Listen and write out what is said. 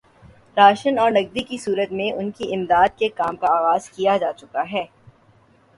ration اور نقدی کی صورت میں ان کی امداد کے کام کا آغاز کیا جا چکا ہے